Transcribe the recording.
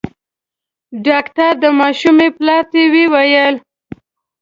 ډاکټر د ماشومي پلار ته وويل :